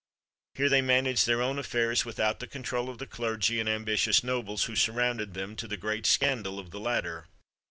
Here they managed their own affairs, without the control of the clergy and ambitious nobles who surrounded them, to the great scandal of the latter.